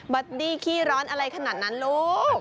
ดี้ขี้ร้อนอะไรขนาดนั้นลูก